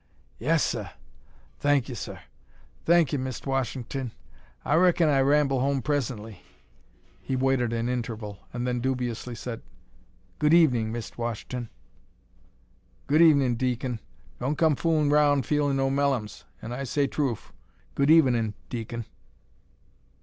"Yes, seh; thank 'e, seh; thank 'e, Mist' Wash'ton. I raikon I ramble home pressenly." He waited an interval, and then dubiously said, "Good evenin', Mist' Wash'ton." "Good evenin', deacon. Don' come foolin' roun' feelin' no mellums, and I say troof. Good evenin', deacon."